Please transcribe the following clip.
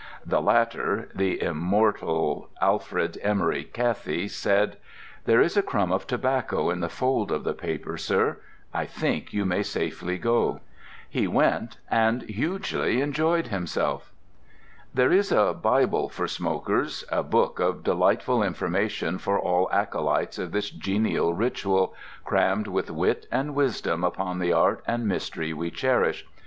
The latter (the immortal Alfred Emery Cathie) said: "There is a crumb of tobacco in the fold of the paper, sir: I think you may safely go." He went, and hugely enjoyed himself. There is a Bible for smokers, a book of delightful information for all acolytes of this genial ritual, crammed with wit and wisdom upon the art and mystery we cherish.